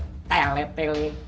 contohnya pada blur wawancara bertel